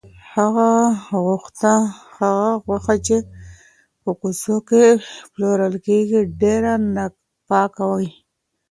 هغه غوښه چې په کوڅو کې پلورل کیږي، ډېره ناپاکه وي.